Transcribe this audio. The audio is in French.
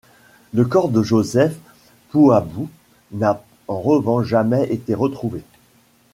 Le corps de Joseph Pouabou n'a en revanche jamais été retrouvé.